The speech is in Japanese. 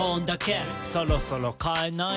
「そろそろ変えない？